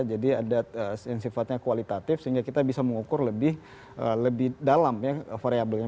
jadi ada yang sifatnya kualitatif sehingga kita bisa mengukur lebih dalam ya variabelnya